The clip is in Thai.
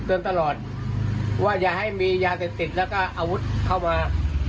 เตือนตลอดว่าอย่าให้มียาเสพติดแล้วก็อาวุธเข้ามา